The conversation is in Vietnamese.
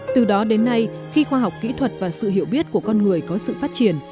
từ đó đến nay khi khoa học kỹ thuật và sự hiểu biết của con người có sự phát triển